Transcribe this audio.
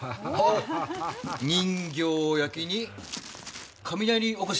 人形焼に雷おこし！